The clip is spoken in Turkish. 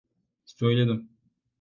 Söyledim.